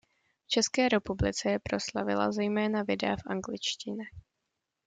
V České republice ji proslavila zejména videa v angličtině.